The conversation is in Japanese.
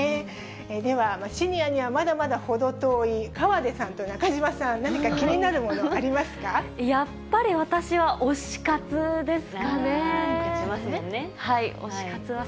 では、シニアにはまだまだ程遠い河出さんと中島さん、何か気になるもの、やっぱり私は、推し活ですかね。